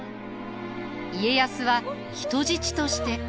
家康は人質として。